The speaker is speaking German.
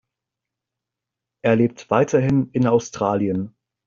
Er lebt weiterhin in Australien.